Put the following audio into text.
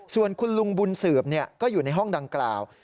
ส่วนคุณลุงบุญสืบก็อยู่ในห้องดังกล่าว